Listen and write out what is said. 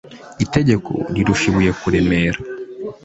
Itegeko rirusha ibuye kuremera